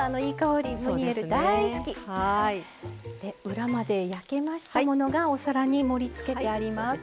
裏まで焼けましたものがお皿に盛りつけてあります。